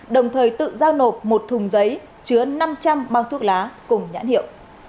đồng thời tự giao nộp một thùng giấy chứa năm trăm linh bao thuốc lá cùng nhãn hiệu